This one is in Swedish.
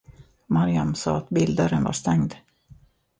Maryam sa att bildörren var stängd.